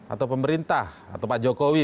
atau pemerintah atau pak jokowi